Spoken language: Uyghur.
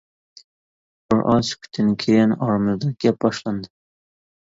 بىر ئاز سۈكۈتتىن كېيىن ئارىمىزدا گەپ باشلاندى.